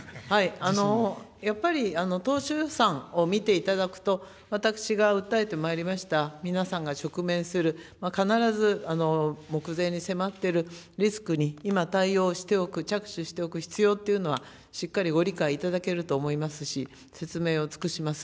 やっぱり当初予算を見ていただくと、私が訴えてまいりました、皆さんが直面する、必ず目前に迫っているリスクに今、対応しておく、着手しておく必要というのは、しっかりご理解いただけると思いますし、説明を尽くします。